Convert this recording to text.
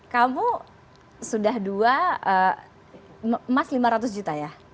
kamu sudah dua emas lima ratus juta ya